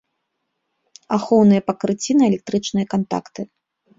Ахоўныя пакрыцці на электрычныя кантакты.